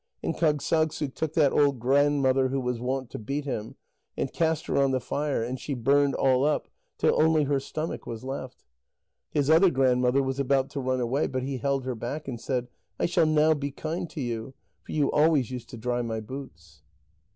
And Kâgssagssuk took that old grandmother who was wont to beat him, and cast her on the fire, and she burned all up till only her stomach was left. His other grandmother was about to run away, but he held her back, and said: "I shall now be kind to you, for you always used to dry my boots."